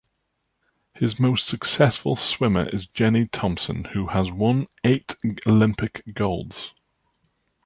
His most successful swimmer is Jenny Thompson who has won eight Olympic Golds.